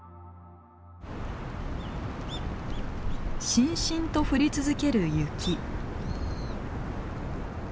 しんしんと降り続ける雪。